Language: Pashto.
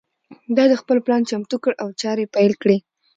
دای خپل پلان چمتو کړ او چارې پیل کړې.